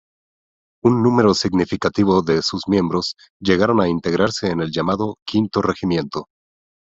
Un número significativo de sus miembros llegaron a integrarse en el llamado "Quinto Regimiento".